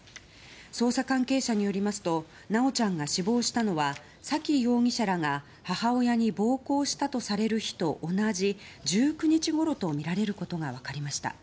捜査関係者によりますと修ちゃんが死亡したのは沙喜容疑者らが母親に暴行したとされる日と同じ１９日ごろとみられることが分かりました。